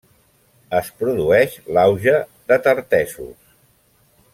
Es produeix l'auge de Tartessos.